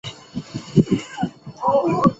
始建于唐开元十三年。